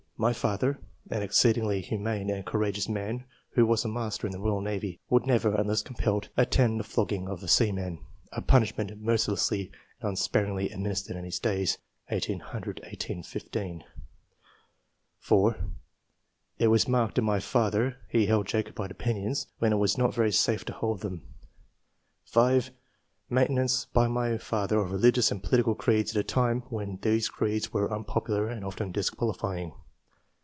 My father [an exceedingly humane and courageous man, who was a master in the Koyal Navy] would never, unless compelled, attend the flog ging of seamen, a punishment mercilessly and unsparingly administered in his days (1800 1815)." 4. *'Itwas marked in my father; he held Jacobite opinions, when it was not very safe to hold them." 5. "Maintenance by my father of religious and political creeds at a time when these creeds were unpopular and often disqualifying."